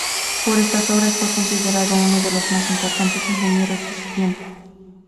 Por estas obras fue considerado uno de los más importantes ingenieros de su tiempo.